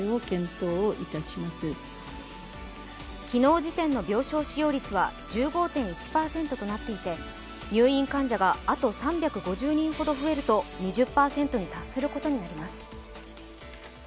昨日時点の病床使用率は１５．１％となっていて入院患者があと３５０人ほど増えると２０％に達することになります。